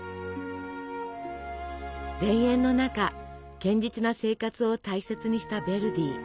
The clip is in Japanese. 田園の中堅実な生活を大切にしたヴェルディ。